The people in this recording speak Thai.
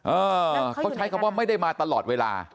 เออเขาใช้คำว่าไม่ได้มาตลอดเวลา